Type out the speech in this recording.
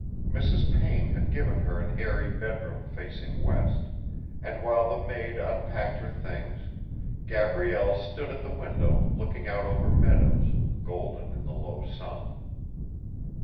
Mrs. Payne had given her an airy bedroom facing west, and while the maid unpacked her things Gabrielle stood at the window looking out over meadows, golden in the low sun.